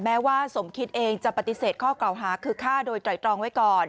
แม้ว่าสมคิดเองจะปฏิเสธข้อกล่าวหาคือฆ่าโดยไตรตรองไว้ก่อน